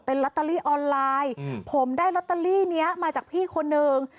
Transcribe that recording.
ลอตเตอรี่ออนไลน์ผมได้ลอตเตอรี่เนี้ยมาจากพี่คนหนึ่ง